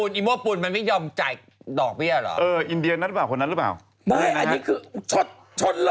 นี่ไงไม่ใช่แขกคนนั้นขับอยู่นะ